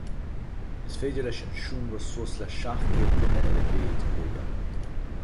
Is féidir leis an seomra suas le seacht gcéad duine ar a mhéad a thógáil.